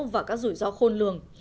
và các rủi ro khôn lường